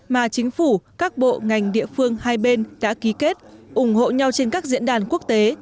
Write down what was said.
mà chính phủ các bộ ngành địa phương hai bên đã ký kết ủng hộ nhau trên các diễn đàn quốc tế